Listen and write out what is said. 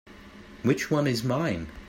Which one is mine?